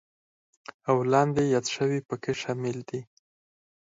او لاندې یاد شوي پکې شامل دي: